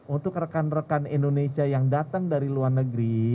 untuk rekan rekan indonesia yang datang dari luar negeri